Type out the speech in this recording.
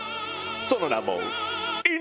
その名も。